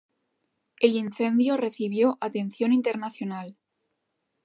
El incendio recibió atención internacional.